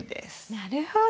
なるほど。